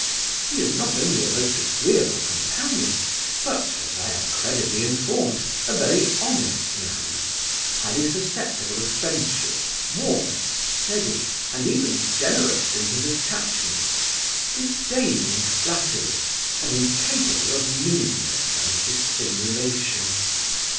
He is not only a most agreeable companion but (as I am credibly informed) a very honest man; highly susceptible of friendship, warm, steady, and even generous in his attachments, disdaining flattery, and incapable of meanness and dissimulation.